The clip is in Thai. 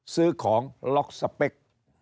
ซื้อของล็อกสเปค